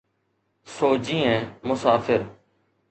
سو جيئن مسافر.